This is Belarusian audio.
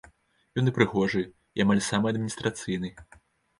Ён і прыгожы, і амаль самы адміністрацыйны.